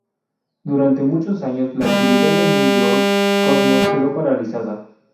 Durante muchos años, la actividad de New York Cosmos quedó paralizada.